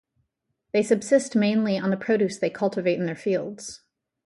They subsist mainly on the produce they cultivate in their fields.